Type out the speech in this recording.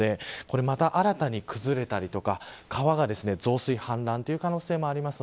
また新たに崩れたり川が増水、氾濫という可能性もあります。